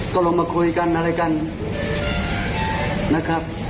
ก็ลงมาคุยกันอะไรกันนะครับ